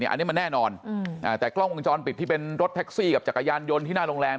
อันนี้มันแน่นอนแต่กล้องวงจรปิดที่เป็นรถแท็กซี่กับจักรยานยนต์ที่หน้าโรงแรม